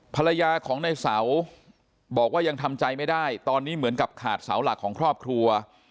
ภรรยาของในเสาบอกว่ายังทำใจไม่ได้ตอนนี้เหมือนกับขาดเสาหลักของครอบครัว